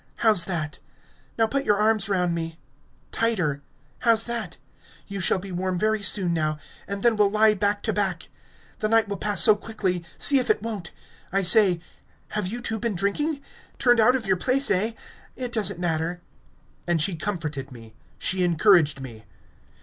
How's that? Now put your arms round me?... tighter! How's that? You shall be warm very soon now... And then we'll lie back to back... The night will pass so quickly, see if it won't. I say ... have you too been drinking?... Turned out of your place, eh?... It doesn't matter." And she comforted me... She encouraged me.